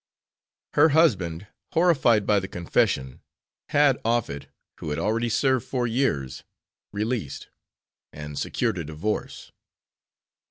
Her husband horrified by the confession had Offett, who had already served four years, released and secured a divorce.